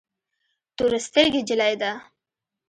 تور سترګي جلی ده